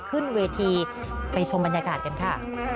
ขึ้นเวทีไปชมบรรยากาศกันค่ะ